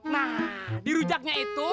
nah di rujaknya itu